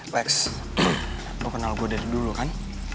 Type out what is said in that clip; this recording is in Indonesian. lex lu kenal gue dari dulu kan